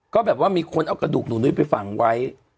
ก็แบบว่ามีคนเอากระดูกหนูนุ้ยไปฝังไว้